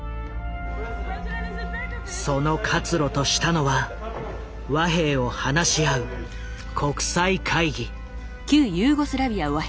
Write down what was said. その活路としたのは和平を話し合う国際会議。